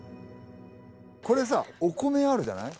これさお米あるじゃない。